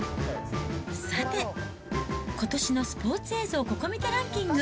さて、ことしのスポーツ映像ココ見てランキング。